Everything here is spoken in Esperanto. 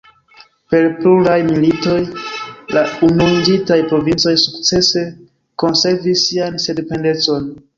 Per pluraj militoj, la Unuiĝintaj Provincoj sukcese konservis sian sendependecon.